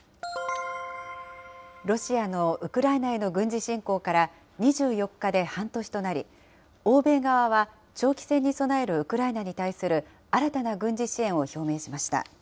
ロシアのウクライナへの軍事侵攻から２４日で半年となり、欧米側は、長期戦に備えるウクライナに対する新たな軍事支援を表明しました。